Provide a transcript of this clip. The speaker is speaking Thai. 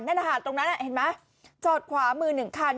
นั่นแหละค่ะตรงนั้นเห็นไหมจอดขวามือหนึ่งคัน